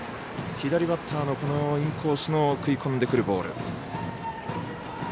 左バッターのインコースに食い込んでくるボール。